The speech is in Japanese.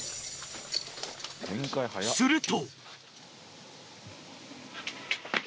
すると。